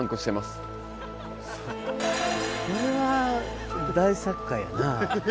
それは大殺界やな。